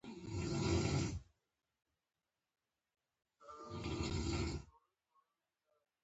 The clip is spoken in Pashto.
په دسترخان کې د ډوډۍ ټوټې ټولول ثواب دی.